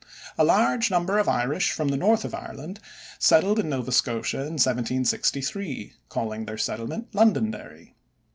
A large number of Irish from the north of Ireland settled in Nova Scotia in 1763, calling their settlement Londonderry.